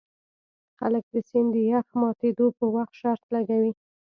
خلک د سیند د یخ ماتیدو په وخت شرط لګوي